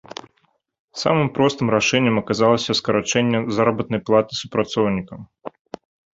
Самым простым рашэннем аказалася скарачэнне заработнай платы супрацоўнікам.